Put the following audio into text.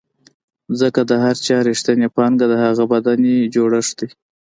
ځکه د هر چا رښتینې پانګه د هغه بدن جوړښت دی.